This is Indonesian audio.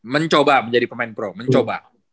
mencoba menjadi pemain pro mencoba